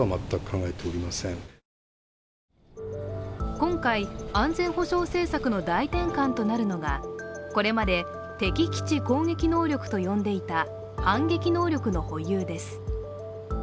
今回、安全保障政策の大転換となるのがこれまで敵基地攻撃能力と呼んでいた反撃能力の保有です。